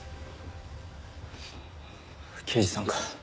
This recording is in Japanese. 刑事さんか。